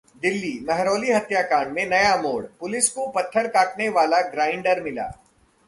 दिल्लीः महरौली हत्याकांड में नया मोड़, पुलिस को पत्थर काटने वाला ग्राइंडर मिला